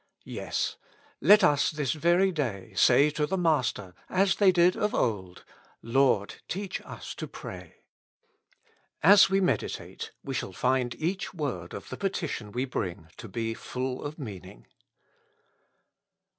Yes, let us this very day say to the Master, as they did of old, " Lord, teach us to pray." As we meditate, we shall find each word of the petition we bring to be full of meaning.